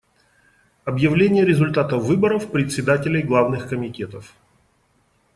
Объявление результатов выборов председателей главных комитетов.